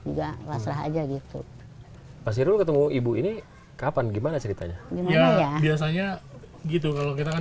juga lasrah aja gitu pasti ketemu ibu ini kapan gimana ceritanya biasanya gitu kalau kita kan